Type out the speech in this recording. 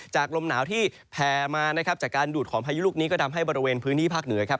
ลมหนาวที่แผ่มานะครับจากการดูดของพายุลูกนี้ก็ทำให้บริเวณพื้นที่ภาคเหนือครับ